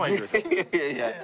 いやいやいやいや。